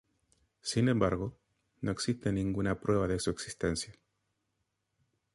Sin embargo, no existe ninguna prueba de su existencia.